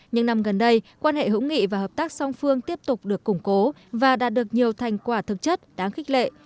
những năm gần đây quan hệ hữu nghị và hợp tác song phương tiếp tục được củng cố và đạt được nhiều thành quả thực chất đáng khích lệ